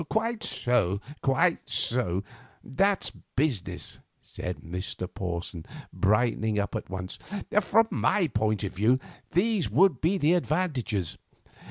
"Quite so, quite so, that's business," said Mr. Porson, brightening up at once. "From my point of view, these would be the advantages.